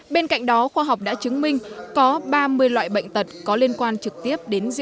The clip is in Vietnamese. bên cạnh đó khoa học đã chứng minh có ba mươi loại bệnh tật có liên quan trực tiếp đến rượu bia